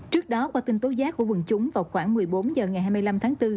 trước đó qua tin tố giác của quần chúng vào khoảng một mươi bốn h ngày hai mươi năm tháng bốn